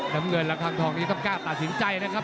หลักทางทองนี่ต้องความกล้าตาสินใจนะครับ